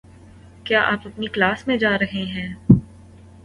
کیا آپ اپنی کلاس میں جا رہے ہیں؟